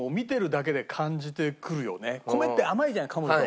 米って甘いじゃない噛むと。